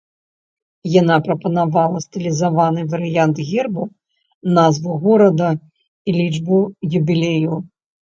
Яна прапанавала стылізаваны варыянт герба, назву горада і лічбу юбілею.